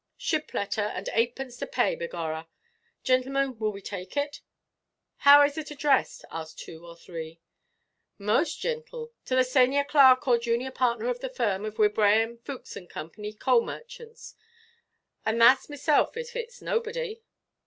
"Ship–letther, and eightpence to pay, begorra. Gintlemen, will we take it?" "How is it addressed?" asked two or three. "Most gintaal. 'To the sanior clerk or junior partner of the firm of Wibraham, Fookes, and Co., Coal Merchants,' and thatʼs meself, if itʼs nobody."